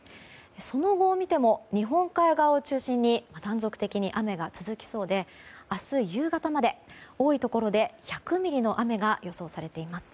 その後を見ても日本海側を中心に断続的に雨が続きそうで明日夕方まで多いところで１００ミリの雨が予想されています。